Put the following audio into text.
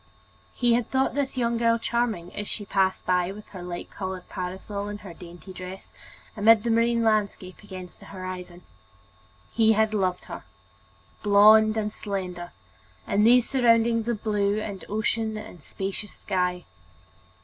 He had thought this young girl charming, as she passed by with her light colored parasol and her dainty dress amid the marine landscape against the horizon. He had loved her, blond and slender, in these surroundings of blue ocean and spacious sky.